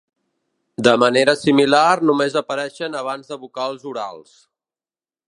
De manera similar, només apareix abans de vocals orals.